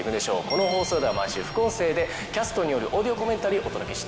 この放送では毎週副音声でキャストによるオーディオコメンタリーお届けしています。